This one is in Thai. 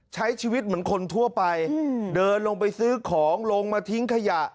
ใช้ชีวิตเหมือนคนทั่วไปเดินลงไปซื้อของลงมาทิ้งขยะ